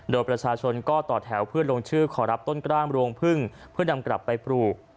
โดยประชาชนก็ต่อแถวเพื่อลงชื่อขอรับต้นกล้ามรวงพึ่งเพื่อนำกลับไปปลูก